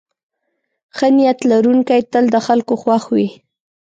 ښه نیت لرونکی تل د خلکو خوښ وي.